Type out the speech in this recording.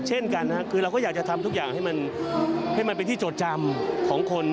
เช่นกันนะครับคือเราก็อยากจะทำทุกอย่างให้มันให้มันเป็นที่จดจำของคน